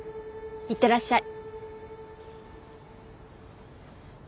いってらっしゃい。